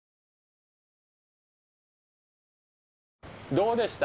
どうでした？